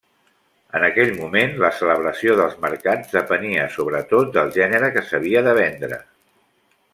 En aquell moment, la celebració dels mercats depenia, sobretot, del gènere que s'havia de vendre.